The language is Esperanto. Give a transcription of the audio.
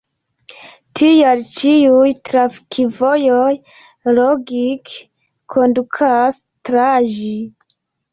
Tial ĉiuj trafikvojoj logike kondukas tra ĝi.